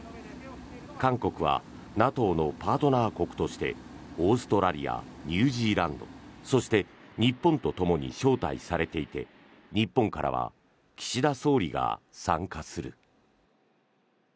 韓国はＮＡＴＯのパートナー国としてオーストラリアニュージーランドそして、日本とともに招待されていて日本からは岸田総理が参加する。